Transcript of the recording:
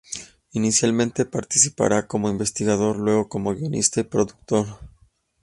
Inicialmente participará como investigador, luego como guionista y productor.